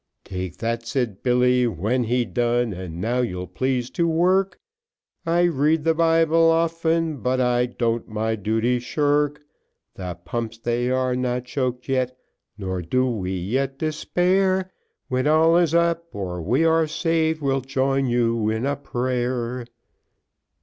"Take that," said Billy, when he'd done, "and now you'll please to work, I read the Bible often but I don't my duty shirk, The pumps they are not choked yet, nor do we yet despair, When all is up or we are saved, we'll join with you in player."